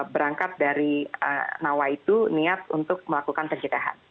berangkat dari nawaitu niat untuk melakukan pencegahan